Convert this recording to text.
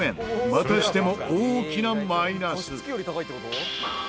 またしても大きなマイナス。